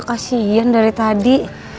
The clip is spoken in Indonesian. kasian dari tadi